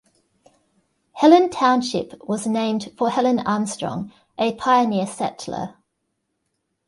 Helen Township was named for Helen Armstrong, a pioneer settler.